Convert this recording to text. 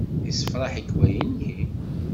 Yessefṛaḥ-ik wayenni?